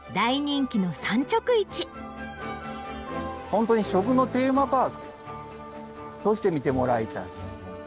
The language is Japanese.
ホントに食のテーマパークとして見てもらいたい。